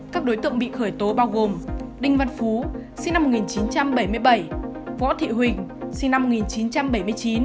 các đối tượng bị khởi tố bao gồm đinh văn phú sinh năm một nghìn chín trăm bảy mươi bảy võ thị huỳnh sinh năm một nghìn chín trăm bảy mươi chín